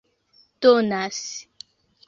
donas